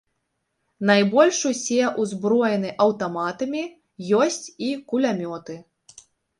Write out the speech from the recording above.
Найбольш усе ўзброены аўтаматамі, ёсць і кулямёты.